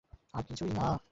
আর কিছুই না।